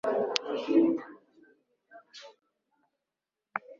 ntago munezero abizirikana